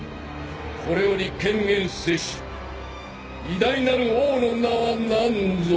これより顕現せし偉大なる王の名は何ぞ？